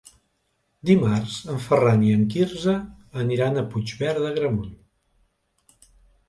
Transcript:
Dimarts en Ferran i en Quirze aniran a Puigverd d'Agramunt.